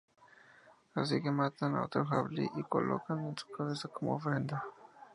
Así que matan a otro jabalí y colocan su cabeza como ofrenda.